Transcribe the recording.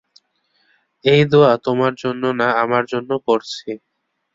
এই দোয়া তোমার জন্য না আমার জন্য করছি।